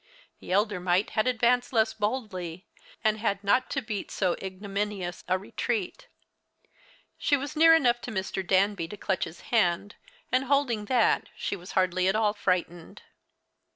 The elder mite had advanced less boldly, and had not to beat so ignominious a retreat. She was near enough to Mr. Danby to clutch his hand, and holding by that she was hardly at all frightened.